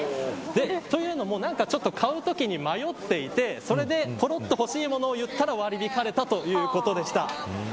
というのも買うときに迷っていてそれでぽろっと欲しい物を言ったら割り引かれたということでした。